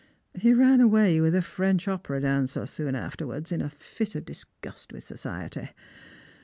He ran away with a French opera dancer soon afterwards, in a fit of disgust with society.